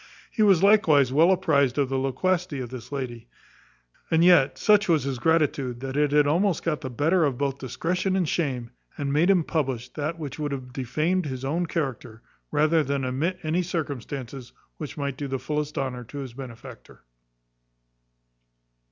He was likewise well apprized of the loquacity of this lady; and yet such was his gratitude, that it had almost got the better both of discretion and shame, and made him publish that which would have defamed his own character, rather than omit any circumstances which might do the fullest honour to his benefactor.